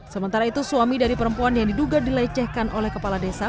sementara itu suami dari perempuan yang diduga dilecehkan oleh kepala desa